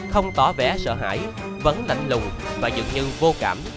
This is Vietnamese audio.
không tỏ vẻ sợ hãi vẫn lạnh lùng và dựng như vô cảm